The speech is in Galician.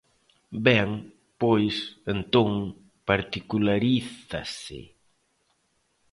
Ben, pois, entón, particularízase.